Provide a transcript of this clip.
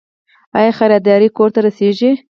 آیا خریداري کور ته رسیږي؟